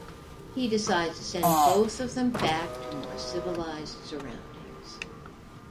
He decides to send both of them back to more civilized surroundings.